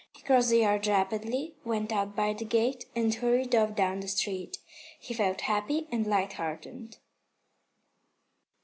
He crossed the yard rapidly, went out by the gate, and hurried off down the street. He felt happy and lighthearted.